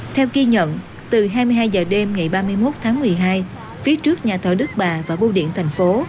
theo ghi nhận từ hai mươi hai h đêm ngày ba mươi một tháng một mươi hai phía trước nhà thờ đức bà và bưu điện thành phố